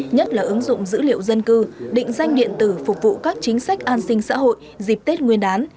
nhất là ứng dụng dữ liệu dân cư định danh điện tử phục vụ các chính sách an sinh xã hội dịp tết nguyên đán